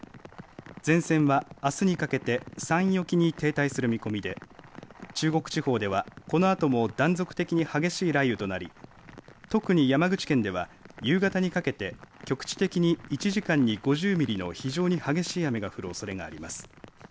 前線はあすにかけて山陰沖に停滞する見込みで中国地方では、このあとも断続的な激しい雷雨となり特に山口県では夕方にかけて局地的に１時間に５０ミリの非常に激しい雨が降るおそれがあります。